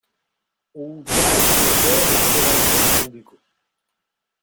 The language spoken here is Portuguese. O ultraje do velho encorajou o público.